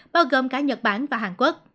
bao gồm cả nhật bản và hàn quốc